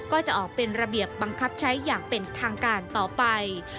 ก็จะออกเป็นระเบียบบังคับใช้อย่างเป็นทางการต่อไป